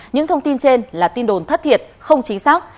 những thông tin trên là tin đồn thất thiệt không chính xác